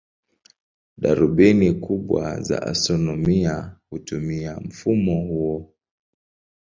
Darubini kubwa za astronomia hutumia mfumo huo.